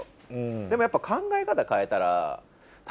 でもやっぱ考え方変えたら。